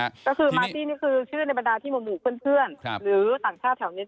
มาสตี้เนี่ยคือชื่อในบรรดาที่หมอยบุกเพื่อนหรือต่างชาติแถวเนี่ย